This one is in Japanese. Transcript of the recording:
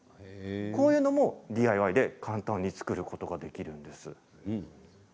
こういったものをＤＩＹで簡単に作ることができるんです。